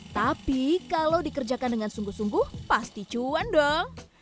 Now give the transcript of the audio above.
tapi kalau dikerjakan dengan sungguh sungguh pasti cuan dong